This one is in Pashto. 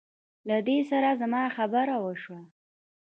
له دې سره زما خبره وشوه.